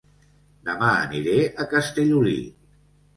Dema aniré a Castellolí